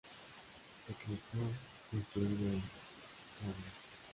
Secreto construido en roble.